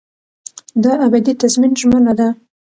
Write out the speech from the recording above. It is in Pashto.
دا ابدي تضمین ژمنه ده.